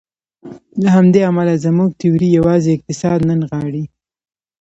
له همدې امله زموږ تیوري یوازې اقتصاد نه نغاړي.